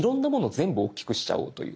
全部おっきくしちゃおうという。